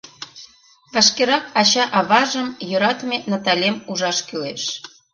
Вашкерак ача-аважым, йӧратыме Наталем ужаш кӱлеш.